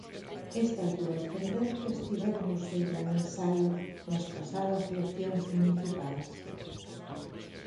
Estas dúas tendencias tiveron o seu gran ensaio nas pasadas eleccións municipais.